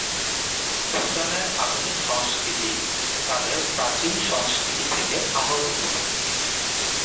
ভুটানের আধুনিক সংস্কৃতি তাদের প্রাচীন সংস্কৃতি থেকে আহরিত।